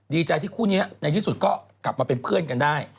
ดีใจที่คู่นี้ในที่สุดก็กลับมาเป็นเพื่อนกันได้